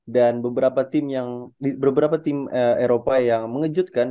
dan beberapa tim eropa yang mengejutkan